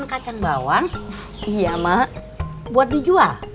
salam buat tuti c